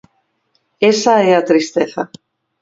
Esa é a tristeza.